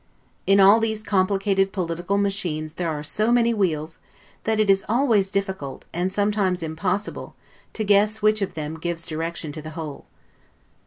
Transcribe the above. In all these complicated political machines there are so many wheels, that it is always difficult, and sometimes im possible, to guess which of them gives direction to the whole.